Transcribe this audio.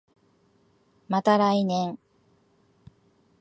また来年